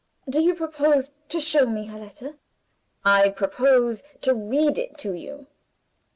"Do you propose to show me her letter?" "I propose to read it to you."